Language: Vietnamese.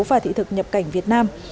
và thị thực nhập cảnh việt nam